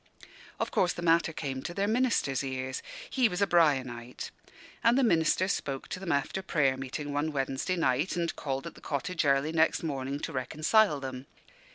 Of course the matter came to their minister's ears he was a "Brianite" and the minister spoke to them after prayer meeting, one Wednesday night, and called at the cottage early next morning, to reconcile them.